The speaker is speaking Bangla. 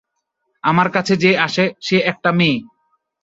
আমার কাছে যে আসে, সে একটা মেয়ে।